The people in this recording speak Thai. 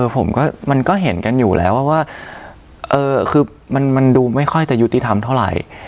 ผมก็มันก็เห็นกันอยู่แล้วว่าคือมันดูไม่ค่อยจะยุติธรรมเท่าไหร่